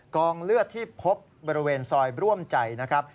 กองเลือดที่พบบริเวณซอยร่วมใจนะครับ